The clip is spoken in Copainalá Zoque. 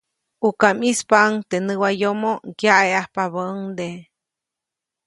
ʼUka ʼmispaʼuŋ teʼ näwayomo, ŋyaʼeʼajpabäʼuŋde.